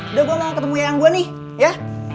udah gue gak ketemu yang gue nih ya